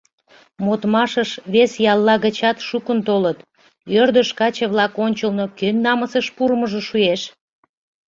Модмашыш вес ялла гычат шукын толыт, ӧрдыж каче-влак ончылно кӧн намысыш пурымыжо шуэш?